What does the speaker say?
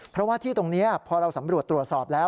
เพราะว่าที่ตรงนี้พอเราสำรวจตรวจสอบแล้ว